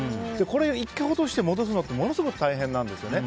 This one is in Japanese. これ、１回落として戻すのはすごく大変なんですよね。